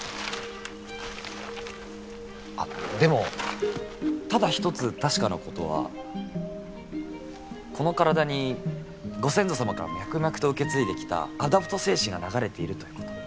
あっでもただ一つ確かなことはこの体にご先祖様から脈々と受け継いできたアダプト精神が流れているということ。